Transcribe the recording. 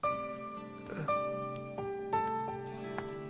えっ。